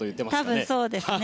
多分そうですね。